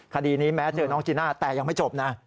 คดีนี้แม้เจอน้องจีน่าแต่ยังไม่จบนะ